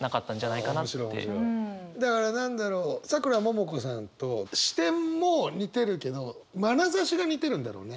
だから何だろうさくらももこさんと視点も似てるけどまなざしが似てるんだろうね。